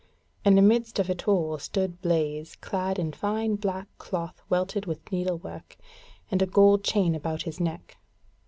And amidst of it all stood Blaise clad in fine black cloth welted with needle work, and a gold chain about his neck.